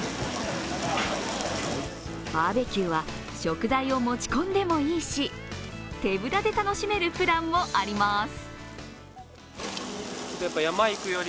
バーベキューは食材を持ち込んでもいいし、手ぶらで楽しめるプランもあります。